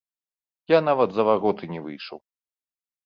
Я нават за вароты не выйшаў.